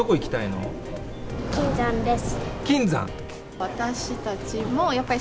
金山です。